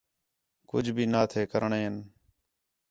کُجھ بھی نہ تھے کرݨاں ہِن